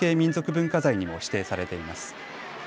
文化財にも指定されています。